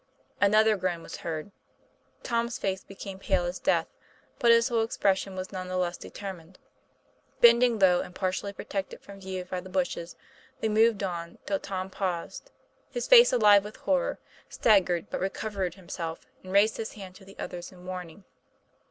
Another groan was heard. Tom's face became pale as death, but his whole expression was none the less determined. Bending low, and partially protected from view by the bushes, they moved on till Tom paused, his face alive with horror, stag gered, but recovered himself and raised his hand to the others in warning.